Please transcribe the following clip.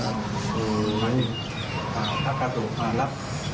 พระกาโตะมารับ